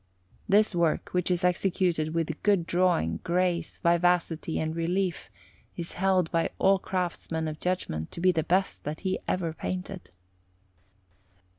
This work, which is executed with good drawing, grace, vivacity, and relief, is held by all craftsmen of judgment to be the best that he ever painted.